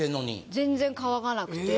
全然乾かなくて。